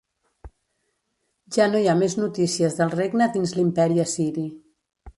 Ja no hi ha més notícies del regne dins l'imperi Assiri.